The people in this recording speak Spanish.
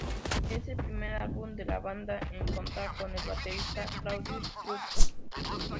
Es el primer álbum de la banda en contar con el baterista Claudio Strunz.